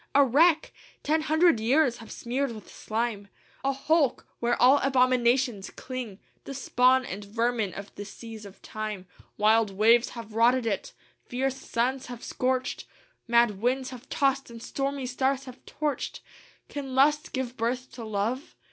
A wreck! ten hundred years have smeared with slime: A hulk! where all abominations cling, The spawn and vermin of the seas of time: Wild waves have rotted it, fierce suns have scorched, Mad winds have tossed and stormy stars have torched. "Can lust give birth to love!